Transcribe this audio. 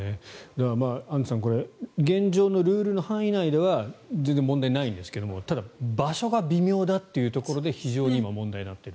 アンジュさんこれ、現状のルールの範囲内では全然問題ないですがただ場所が微妙だというところで非常に今問題になっている。